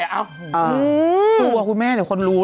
รู้ค่ะคุณแม่เดี๋ยวคนรู้